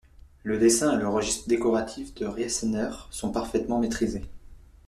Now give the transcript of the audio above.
Le dessin et le registre décoratif de Riesener sont parfaitement maîtrisés.